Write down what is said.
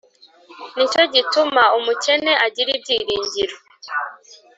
Ni cyo gituma umukene agira ibyiringiro